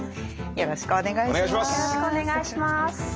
よろしくお願いします。